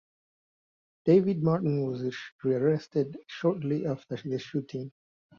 David Martin was rearrested shortly after the shooting.